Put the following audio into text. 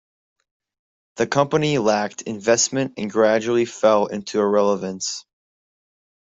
The company lacked investment and gradually fell into irrelevance.